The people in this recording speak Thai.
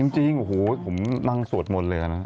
จริงผมนั่งสวดหมดเลย